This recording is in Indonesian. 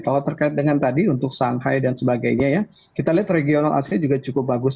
kalau terkait dengan tadi untuk shanghai dan sebagainya ya kita lihat regional asia juga cukup bagus